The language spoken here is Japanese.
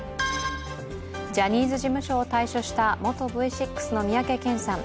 ジャニーズ事務所を退所した元Ｖ６の三宅健さん。